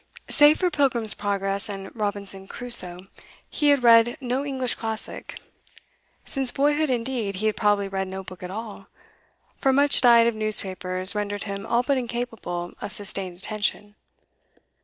Save for Pilgrim's Progress and Robinson Crusoe, he had read no English classic; since boyhood, indeed, he had probably read no book at all, for much diet of newspapers rendered him all but incapable of sustained attention.